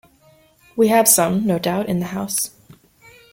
We have some, no doubt, in the house.